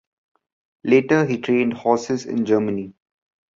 Later he trained horses in Germany.